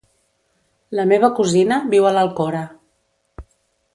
La meva cosina viu a l'Alcora.